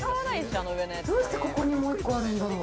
どうして、ここに、もう１個あるんだろう？